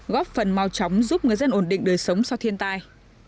góp phần mau chóng giúp người dân ổn định đời sống sau thiên tai